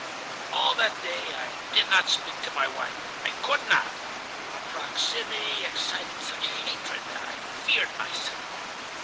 "All that day I did not speak to my wife. I could not. Her proximity excited such hatred that I feared myself.